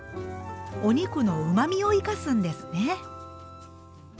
お肉のうまみを生かすんですね。